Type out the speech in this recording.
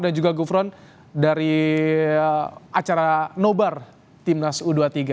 dan juga gufron dari acara no bar timnas u dua puluh tiga